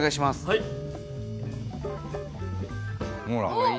はい。